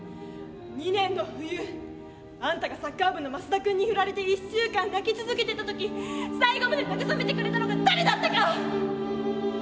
２年の冬あんたがサッカー部のマスダ君に振られて１週間泣き続けてた時最後まで慰めてくれたのが誰だったか！